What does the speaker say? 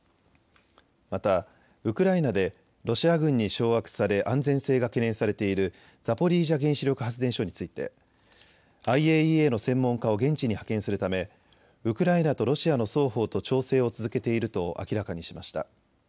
またウクライナでロシア軍に掌握され安全性が懸念されているザポリージャ原子力発電所についてＩＡＥＡの専門家を現地に派遣するためウクライナとロシアの双方と調整を続けていると明らかにしました。